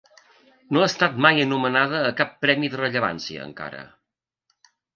No ha estat mai anomenada a cap premi de rellevància encara.